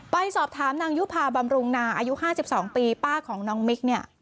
ไปสอบถามนางยุภาบำรุงนาอายุ๕๒ปีป้าของน้องมิกเนี่ย